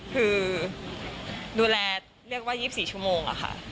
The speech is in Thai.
คือดูแลเรียกว่า๒๔ชั่วโมงอะค่ะ